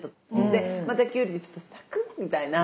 でまたきゅうりでちょっとサクッみたいな。